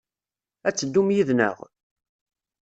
Ad teddum yid-neɣ?